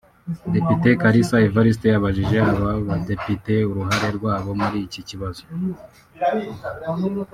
Depite Kalisa Evaliste yabajije aba badepite uruhare rwabo muri iki kibazo